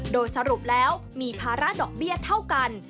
โดยสรุปแล้วมีภาระดอกเบี้ยเท่ากัน